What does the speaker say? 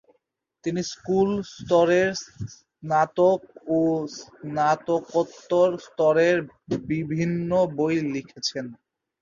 তিনি স্কুল স্তরের, স্নাতক ও স্নাতকোত্তর স্তরের বিভিন্ন বই লিখেছেন।